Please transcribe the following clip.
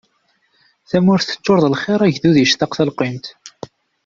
Tamurt teččur d lxiṛ agdud yectaq talqimt.